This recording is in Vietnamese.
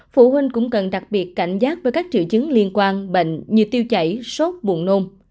phụ huynh cũng cần đặc biệt cảnh giác với các triệu chứng liên quan bệnh như tiêu chảy sốt buồn nôm